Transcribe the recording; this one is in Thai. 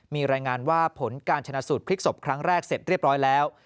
มีรายงานว่าผลการชนะสูตรพลิกศพครั้งแรกเสร็จเรียบร้อยแล้ว